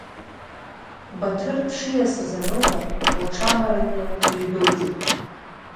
Баҭыр дшиасыз анылба, лҽамаратәны дыҩдәылҵит.